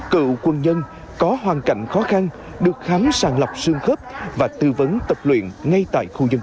cựu quân nhân có hoàn cảnh khó khăn được khám sàng lọc xương khớp và tư vấn tập luyện ngay tại khu dân